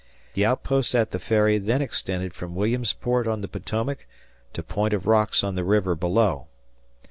The outposts at the Ferry then extended from Williamsport on the Potomac to Point of Rocks on the river below.